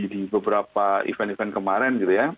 di beberapa event event kemarin gitu ya